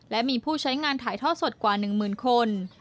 และมีผู้ใช้งานถ่ายทอดสดกว่า๑หมื่นคน